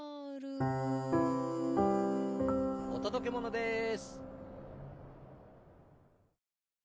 おとどけものです。